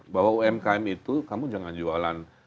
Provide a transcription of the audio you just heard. bahwa umkm itu kamu jangan jualan